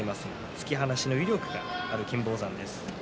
突き放しの威力がある金峰山です。